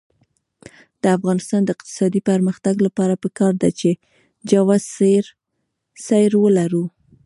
د افغانستان د اقتصادي پرمختګ لپاره پکار ده چې جواز سیر ولرو.